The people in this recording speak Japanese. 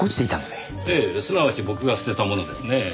すなわち僕が捨てたものですねぇ。